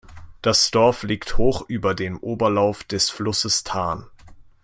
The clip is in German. Das Dorf liegt hoch über dem Oberlauf des Flusses Tarn.